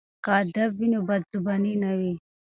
که ادب وي نو بدزباني نه وي.